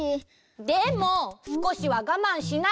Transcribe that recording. でもすこしはがまんしないと。